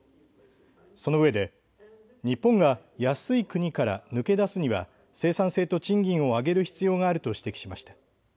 そのうえで日本が安い国から抜け出すには生産性と賃金を上げる必要があると指摘しました。